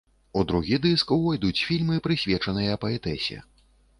У другі дыск увойдуць фільмы, прысвечаныя паэтэсе.